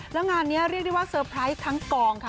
แล้วงานนี้เรียกได้ว่าเซอร์ไพรส์ทั้งกองค่ะ